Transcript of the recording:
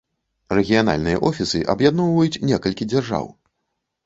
Рэгіянальныя офісы аб'ядноўваюць некалькі дзяржаў.